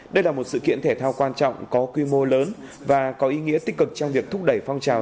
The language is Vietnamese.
đây là một sự kiện thể thao quan trọng có quy mô lớn và có ý nghĩa tích cực trong việc thúc đẩy phong trào